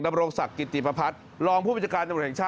นศกิตติปภัทรรองผู้บิจการนศ